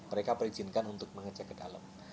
mereka perizinkan untuk mengecek ke dalam